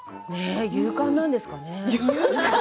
勇敢なんでしょうかね。